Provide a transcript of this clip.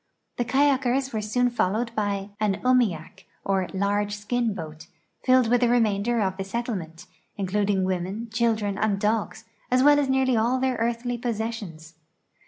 The kayakers were soon followed by an umiak, or large skin boat, filled with the remainder of the set tlement, including women, children, and dogs, as well as nearly all their earthly i)ossessions.